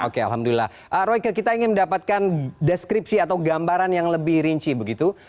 oke alhamdulillah royke kita ingin mendapatkan deskripsi atau gambaran yang lebih rinci begitu